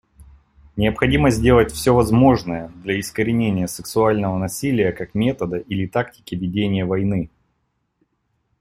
Необходимо сделать все возможное для искоренения сексуального насилия как метода или тактики ведения войны.